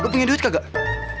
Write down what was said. lo punya duit kagak